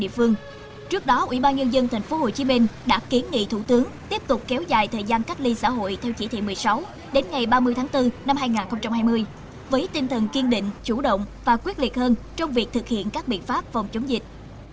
với tinh thần kiên định chủ động và quyết liệt hơn trong việc thực hiện các biện pháp phòng chống dịch